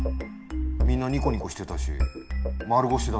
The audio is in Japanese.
みんなニコニコしてたし丸腰だったし。